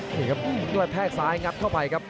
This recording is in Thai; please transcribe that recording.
เห็นครับแพร่ซ้ายงับเข้าไปครับ